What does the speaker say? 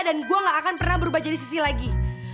dan gue gak akan pernah berubah jadi sisil lagi